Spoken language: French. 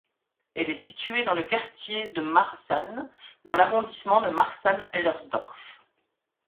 Elle est située dans le quartier de Marzahn dans Arrondissement de Marzahn-Hellersdorf.